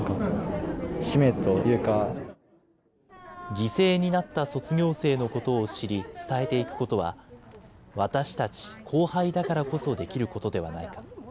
犠牲になった卒業生のことを知り、伝えていくことは、私たち後輩だからこそできることではないか。